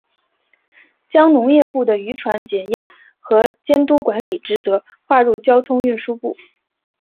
将农业部的渔船检验和监督管理职责划入交通运输部。